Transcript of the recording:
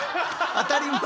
当たり前？